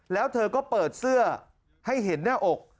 แล้วเธอก็เปิดเสื้อให้เห็นหน้าอก